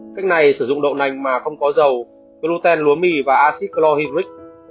cách này sử dụng đậu nành mà không có dầu groten lúa mì và acid chlorhydric